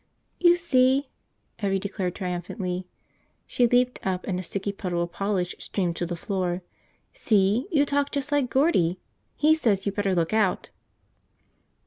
"You see?" Evvie declared triumphantly. She leaped up and a sticky puddle of polish streamed to the floor. "See, you talk just like Gordie. He says you better look out.